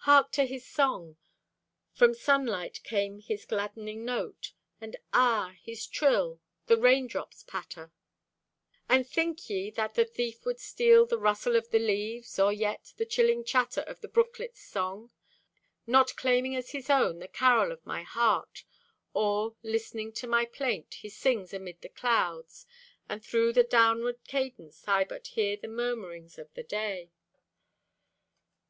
Hark to his song! From sunlight came his gladdening note. And ah, his trill—the raindrops' patter! And think ye that the thief would steal The rustle of the leaves, or yet The chilling chatter of the brooklet's song? Not claiming as his own the carol of my heart, Or listening to my plaint, he sings amid the clouds; And through the downward cadence I but hear The murmurings of the day.